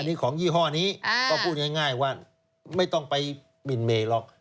อันนี้ของยี่ห้อนี้ก็พูดง่ายว่าไม่ต้องไปหมินเมย์หรอก